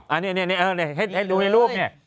อันนี้แผ่นลูกเนี่ย